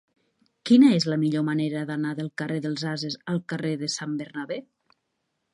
Quina és la millor manera d'anar del carrer dels Ases al carrer de Sant Bernabé?